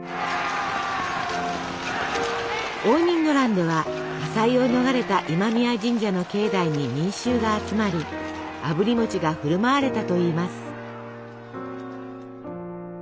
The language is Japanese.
応仁の乱では火災を逃れた今宮神社の境内に民衆が集まりあぶり餅が振る舞われたといいます。